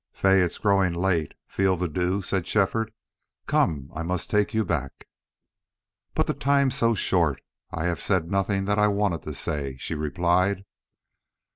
"Fay, it's growing late. Feel the dew?" said Shefford. "Come, I must take you back." "But the time's so short. I have said nothing that I wanted to say," she replied.